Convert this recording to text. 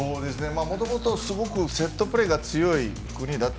もともと、すごくセットプレーが強い国で。